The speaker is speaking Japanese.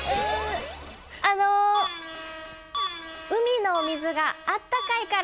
あの海の水があったかいから。